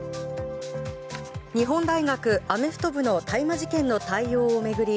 日本大学アメフト部の大麻事件の対応を巡り